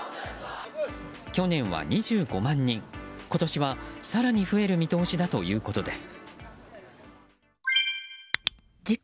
去年は２５万人今年は更に増える見通しだということです。